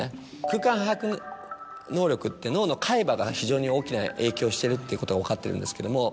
空間把握能力って脳の海馬が非常に大きな影響してるっていうことが分かってるんですけども。